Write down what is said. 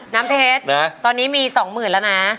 น้ำเพชรตอนนี้มี๒หมื่นแล้วนะ